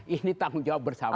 ini tanggung jawab bersama